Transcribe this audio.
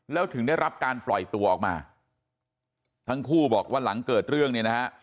แล้วถึงได้รับการปล่อยตัวออกมาทั้งคู่บอกว่าหลังเกิดเรื่องเนี่ยนะฮะ